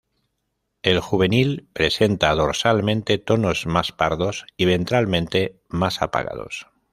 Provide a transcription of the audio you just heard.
El juvenil presenta dorsalmente tonos más pardos, y ventralmente más apagados.